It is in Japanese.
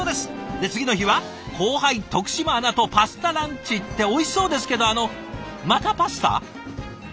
で次の日は後輩徳島アナとパスタランチっておいしそうですけどあのまたパスタ？